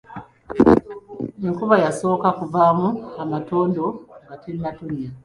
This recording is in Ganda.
Enkuba y’asooka kuvaamu matondo nga tennatonnya.